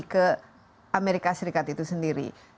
ke amerika serikat itu sendiri